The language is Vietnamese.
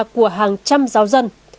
của hàng trăm giáo dân